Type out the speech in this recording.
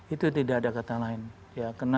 itu tidak ada kata lain